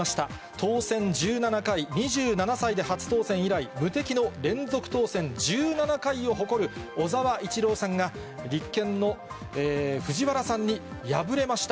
当選１７回、２７歳で初当選以来、無敵の連続当選１７回を誇る小沢一郎さんが、立憲の、藤原さんに敗れました。